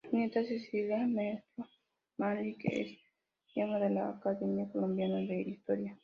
Su nieta Cecilia Restrepo Manrique es miembro de la Academia Colombiana de Historia.